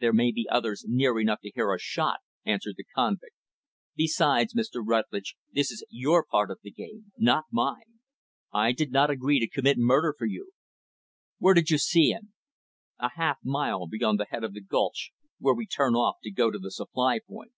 "There may be others near enough to hear a shot," answered the convict. "Besides, Mr. Rutlidge, this is your part of the game not mine. I did not agree to commit murder for you." "Where did you see him?" "A half mile beyond the head of the gulch, where we turn off to go to the supply point."